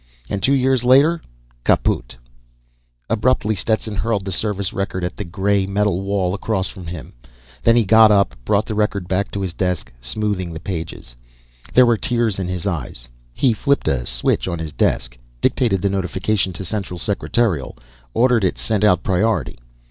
And two years later kaput! Abruptly, Stetson hurled the service record at the gray metal wall across from him; then he got up, brought the record back to his desk, smoothing the pages. There were tears in his eyes. He flipped a switch on his desk, dictated the notification to Central Secretarial, ordered it sent out priority.